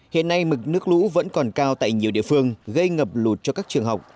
hiện nay mực nước lũ vẫn còn cao tại nhiều địa phương gây ngập lụt cho các trường học